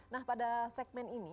nah pada segmen ini